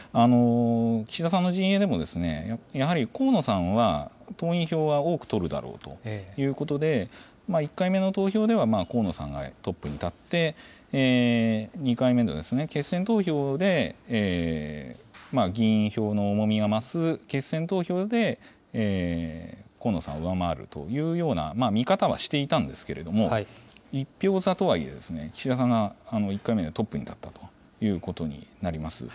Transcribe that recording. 岸田さんの陣営でも、やはり河野さんは、党員票は多く取るだろうということで、１回目の投票では河野さんがトップに立って、２回目で、決選投票で、議員票の重みが増す決選投票で、河野さんを上回るというような見方はしていたんですけれども、１票差とはいえ、岸田さんが１回目でトップに立ったということになります。